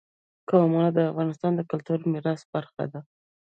قومونه د افغانستان د کلتوري میراث برخه ده.